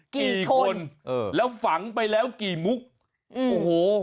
กี่คนเออแล้วฝังไปแล้วกี่มุกโอ้โห